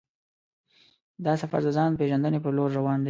دا سفر د ځان پېژندنې پر لور روان دی.